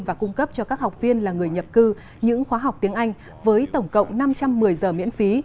và cung cấp cho các học viên là người nhập cư những khóa học tiếng anh với tổng cộng năm trăm một mươi giờ miễn phí